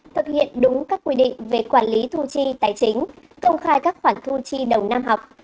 thực hiện đúng các quy định về quản lý thu chi tài chính công khai các khoản thu chi đầu năm học